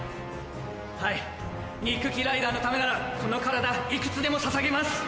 はい憎きライダーのためならこの体いくつでもささげます！